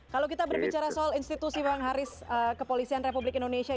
kalau kita berbicara soal institusi bang haris kepolisian republik indonesia